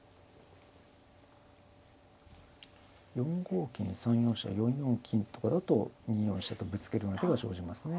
４五金３四飛車４四金とかだと２四飛車とぶつけるような手が生じますね。